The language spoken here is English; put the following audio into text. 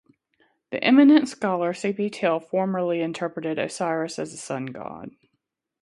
The eminent scholar C. P. Tiel formerly interpreted Osiris as a sun-god.